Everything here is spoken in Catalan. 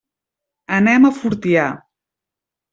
Anem a Fortià.